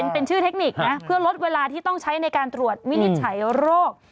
เป็นชื่อเทคนิคนะเพื่อลดเวลาที่ต้องใช้ในการตรวจวินิจฉัยโรค